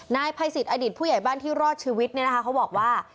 นายภัยสิทธิอดีตผู้ใหญ่บ้านที่รอดชีวิตเนี่ยนะคะเขาบอกว่า